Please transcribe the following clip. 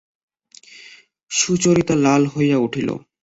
সুচরিতা লাল হইয়া উঠিল।